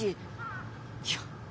いや。